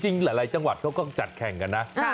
จริงหลายจังหวัดค่ะก็จัดแข่งกันนะ